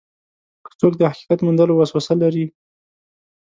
که څوک د حقیقت موندلو وسوسه لري.